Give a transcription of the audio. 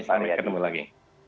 sampai ketemu lagi